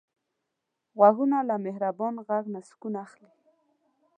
غوږونه له مهربان غږ نه سکون اخلي